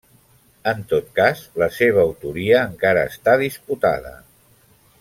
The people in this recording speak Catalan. En tot cas, la seva autoria encara està disputada.